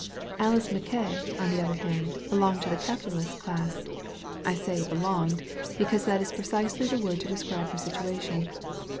Alice Mackaye, on the other hand, belonged to the capitalist class. I say "belonged," because that is precisely the word to describe her situation.